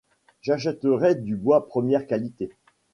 J’achèterai du bois première qualité.